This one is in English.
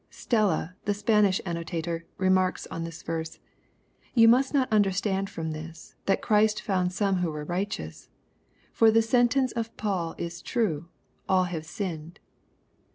Stella, the Spanish annotator, remarks on this verse c " You must not understand from this, that Christ found some who were righteous. For the sentence of Paul is true; 'all have sinned.'